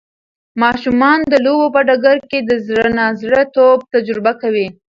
ماشومان د لوبو په ډګر کې د زړه نا زړه توب تجربه کوي.